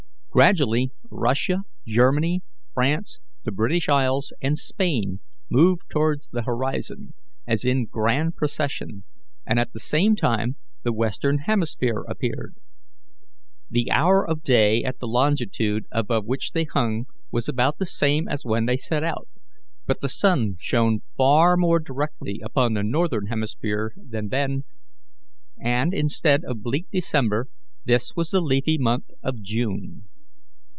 Gradually Russia, Germany, France, the British Isles, and Spain moved towards the horizon, as in grand procession, and at the same time the Western hemisphere appeared. The hour of day at the longitude above which they hung was about the same as when they set out, but the sun shone far more directly upon the Northern hemisphere than then, and instead of bleak December, this was the leafy month of June.